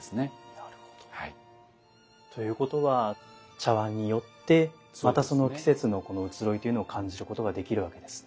なるほど。ということは茶碗によってまたその季節の移ろいというのを感じることができるわけですね。